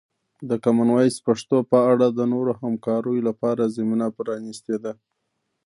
د کامن وایس پښتو په اړه د نورو همکاریو لپاره زمینه پرانیستې ده.